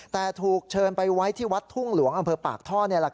แต่ถูกเชิญไปไว้ที่วัดทุ่งหลวงอำเภอปากท่อ